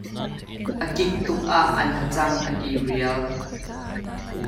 A kik tuk ah an haacang an i rial.